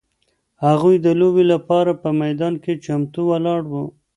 هغوی د لوبې لپاره په میدان کې چمتو ولاړ وو.